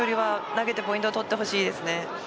投げてポイントを取ってほしいです。